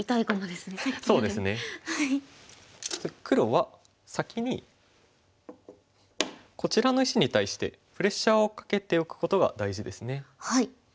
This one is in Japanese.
黒は先にこちらの石に対してプレッシャーをかけておくことが大事ですね。